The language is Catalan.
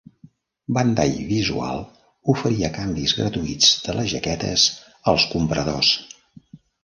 Bandai Visual oferia canvis gratuïts de les jaquetes als compradors.